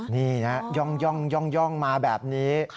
นี่นะย่องมาแบบนี้